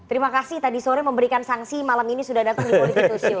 terima kasih tadi sore memberikan sanksi malam ini sudah datang di political show